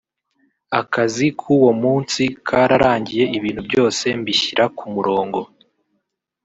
Akazi k’uwo munsi kararangiye ibintu byose mbishyira ku murongo